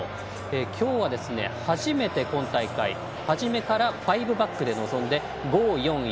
今日は今大会で初めて初めから５バックで臨んで５−４−１。